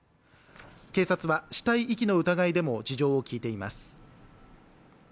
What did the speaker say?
警察は死体遺棄の疑いでも事情を聞いています。